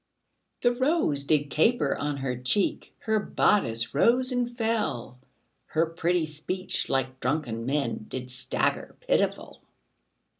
The rose did caper on her cheek, Her bodice rose and fell, Her pretty speech, like drunken men, Did stagger pitiful.